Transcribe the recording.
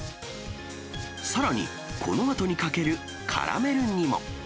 さらに、このあとにかけるカラメルにも。